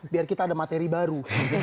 biar kita ada materi baru